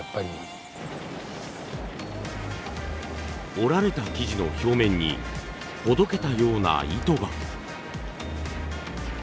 織られた生地の表面にほどけたような糸が。